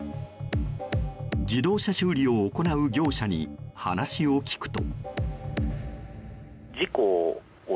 自動車修理を行う業者に話を聞くと。